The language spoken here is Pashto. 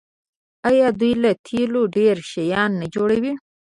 آیا دوی له تیلو ډیر شیان نه جوړوي؟